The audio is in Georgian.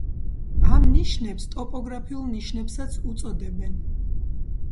ამ ნიშნებს ტოპოგრაფიულ ნიშნებსაც უწოდებენ.